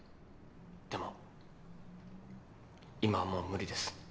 でも今はもう無理です。